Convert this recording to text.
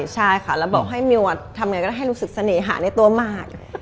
ใช่ค่ะแล้วบอกให้มิวทำไงก็ได้ให้รู้สึกเสน่หาในตัวมาก